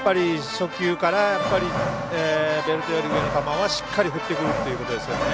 初球からベルトより上の球はしっかり振ってくるということですかね。